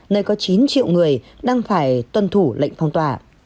nơi có chín triệu người đang phải tuân thủ lệnh phong tỏa